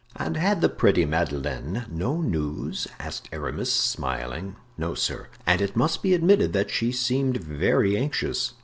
"And had the pretty Madeleine no news?" asked Aramis, smiling. "No, sir, and it must be admitted that she seemed very anxious."